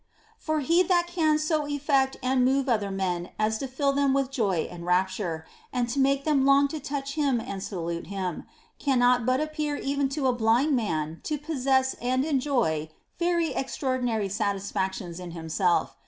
* For he that can so affect and move other men as to fill them with joy and rapture, and to make them long to touch him and salute him, cannot but appear even to a blind man to possess and enjoy very extraordinary satisfac tions in himself.